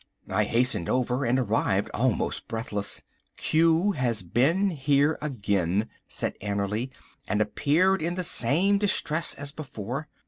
I hastened over, and arrived almost breathless. "Q has been here again," said Annerly, "and appeared in the same distress as before.